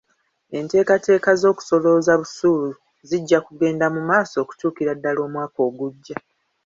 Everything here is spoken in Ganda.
Enteekateeka z'okusolooza busuulu zijja kugenda mu maaso okutuukira ddala omwaka ogujja.